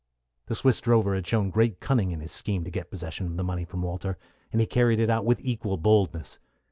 The Swiss drover had shown great cunning in his scheme to get possession of the money from Walter, and he carried it out with equal boldness.